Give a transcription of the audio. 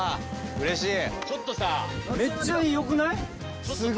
うれしい。